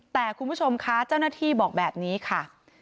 แต่คุณผู้ชมคะเจ้าหน้าที่บอกแบบนี้ค่ะ